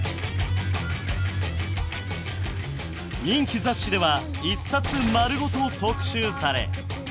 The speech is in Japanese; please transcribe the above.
人気雑誌では一冊丸ごと特集され。